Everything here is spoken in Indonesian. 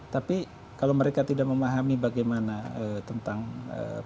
tapi kalau mereka tidak memahami bagaimana tentang pengelolaan kesehatan